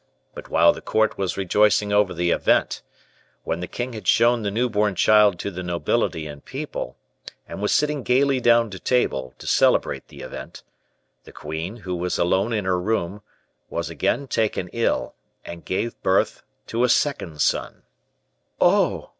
But while the court was rejoicing over the event, when the king had shown the new born child to the nobility and people, and was sitting gayly down to table, to celebrate the event, the queen, who was alone in her room, was again taken ill and gave birth to a second son." "Oh!"